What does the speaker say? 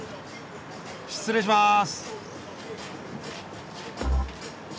失礼します。